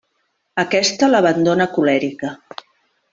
Aquesta l'abandona colèrica.